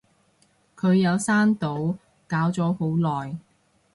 佢有刪到，搞咗好耐